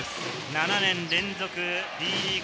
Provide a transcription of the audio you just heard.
７年連続Ｂリーグ